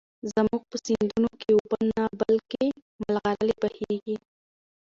زموږ په سيندونو کې اوبه نه، بلكې ملغلرې بهېږي.